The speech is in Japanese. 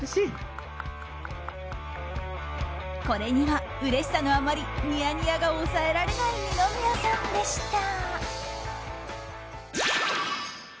これには、うれしさのあまりにやにやが抑えられない二宮さんでした。